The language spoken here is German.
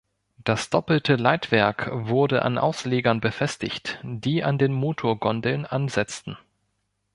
Das doppelte Leitwerk wurde an Auslegern befestigt, die an den Motorgondeln ansetzten.